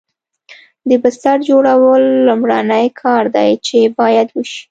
د بستر جوړول لومړنی کار دی چې باید وشي